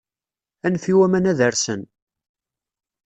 Anef i waman ad rsen.